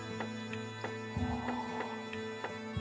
ああ。